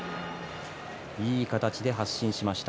いい形で発進しました。